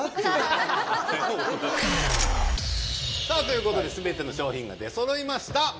さぁということで全ての商品が出そろいました。